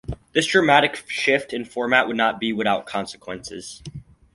This dramatic shift in format would not be without consequences.